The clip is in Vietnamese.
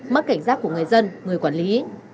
mất cảnh giác của người dân người quản lý